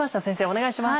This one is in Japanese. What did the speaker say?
お願いします。